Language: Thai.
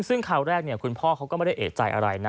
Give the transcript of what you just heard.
ซึ่งคราวแรกคุณพ่อเขาก็ไม่ได้เอกใจอะไรนะ